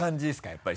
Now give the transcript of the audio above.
やっぱり。